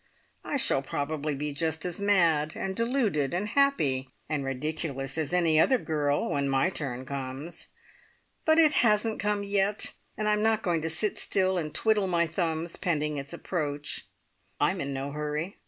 I shall probably be just as mad, and deluded, and happy, and ridiculous as any other girl, when my turn comes; but it hasn't come yet, and I'm not going to sit still and twiddle my thumbs pending its approach. I'm in no hurry!